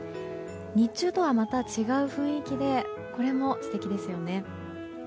日中とはまた違う雰囲気でこれも素敵ですよね。